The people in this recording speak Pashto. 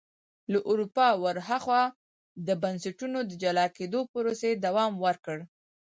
له اروپا ور هاخوا د بنسټونو د جلا کېدو پروسې دوام ورکړ.